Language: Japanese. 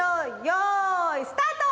よいスタート！